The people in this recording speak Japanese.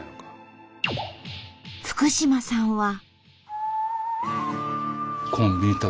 福嶋さんは。